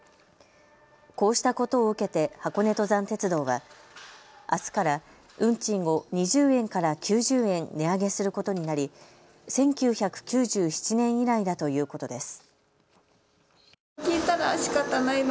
こうしたことを受けて箱根登山鉄道は、あすから運賃を２０円から９０円値上げすることになり１９９７年以来だということです。